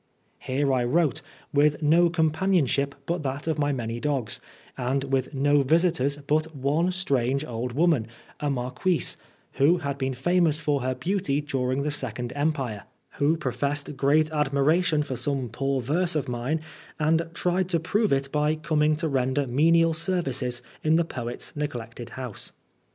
Here I wrote, with no companionship but that of my many dogs, and with no visitors but one strange old woman, a Marquise, who had been famous for her beauty during the Second Empire, who professed great admira 63 Oscar Wilde tfon for some poor verse of mine, and tried to prove it by coming to render menial services in the poet's neglected house.